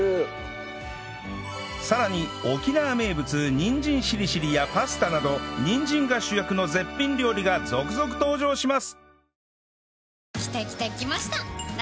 さらに沖縄名物にんじんしりしりやパスタなどにんじんが主役の絶品料理が続々登場します！